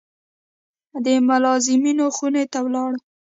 د ملازمینو خونې ته لاړو.